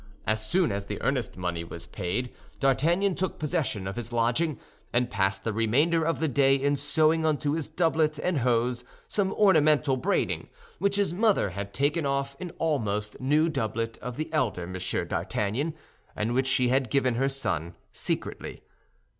As soon as the earnest money was paid, D'Artagnan took possession of his lodging, and passed the remainder of the day in sewing onto his doublet and hose some ornamental braiding which his mother had taken off an almost new doublet of the elder M. d'Artagnan, and which she had given her son secretly.